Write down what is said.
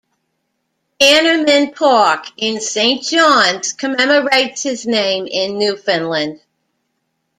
Bannerman Park in Saint John's commemorates his name in Newfoundland.